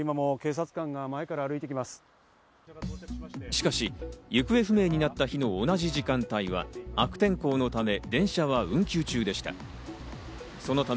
しかし、行方不明になった日の同じ時間帯は悪天候のため、電車は運休中でした。